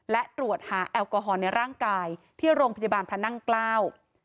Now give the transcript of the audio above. และตรวจหาแอลกอฮอลในร่างกายที่โรงพยาบาลพระนั่งเกล้า